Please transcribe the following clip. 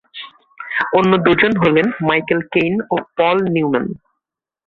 অন্য দুজন হলেন মাইকেল কেইন ও পল নিউম্যান।